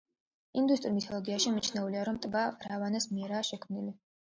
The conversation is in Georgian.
ინდუისტურ მითოლოგიაში მიჩნეულია, რომ ტბა რავანას მიერაა შექმნილი.